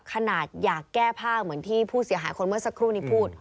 ขนาดอยากแก้ผ้าเหมือนที่ผู้เสียหายคนเมื่อสักครู่นี้พูด